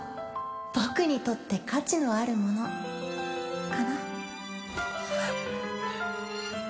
僕にとって価値のあるものかな？